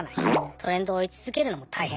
トレンドを追い続けるのも大変。